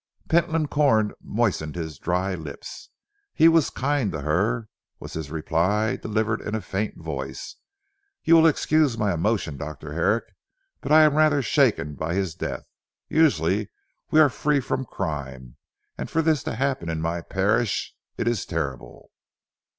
Pentland Corn moistened his dry lips. "He was kind to her," was his reply delivered in a faint voice. "You will excuse my emotion Dr. Herrick but I am rather shaken by this death. Usually we are free from crime, and for this to happen in my parish! It is terrible.